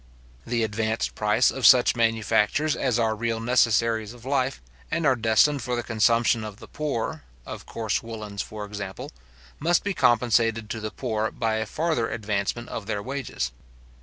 The advanced price of such manufactures as are real necessaries of life, and are destined for the consumption of the poor, of coarse woollens, for example, must be compensated to the poor by a farther advancement of their wages.